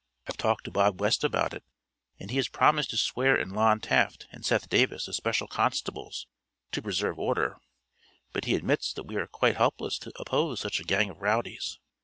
I've talked to Bob West about it and he has promised to swear in Lon Taft and Seth Davis as special constables, to preserve order; but he admits we are quite helpless to oppose such a gang of rowdies.